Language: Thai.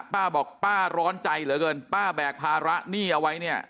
ป้าบอกป้าร้อนใจเหลือเกินป้าแบกภาระหนี้เอาไว้เนี่ย